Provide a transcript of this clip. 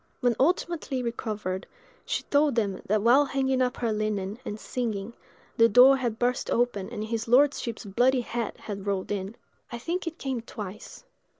When ultimately recovered, she told them that while hanging up her linen, and singing, the door had burst open and his lordship's bloody head had rolled in. I think it came twice.